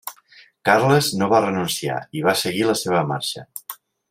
Carles no va renunciar i va seguir la seva marxa.